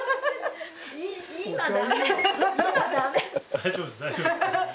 大丈夫です大丈夫です。